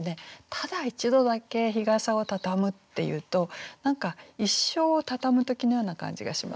「ただ一度だけ日傘をたたむ」っていうと何か一生をたたむ時のような感じがしませんか？